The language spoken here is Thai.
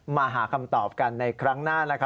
มาหาคำตอบกันในครั้งหน้า